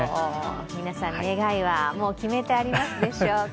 皆さん、願いはもう決めてありますでしょうか。